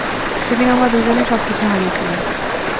সেদিন আমরা দুজনেই সবকিছু হারিয়েছিলাম।